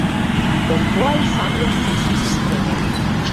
Кон тоа и самиот не сум се стремел.